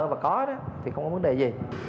và có thì không có vấn đề gì